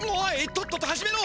とっとと始めろ！